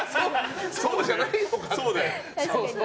そうじゃないのかって。